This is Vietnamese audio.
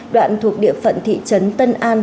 đoạn thuộc địa phận thị trấn tân an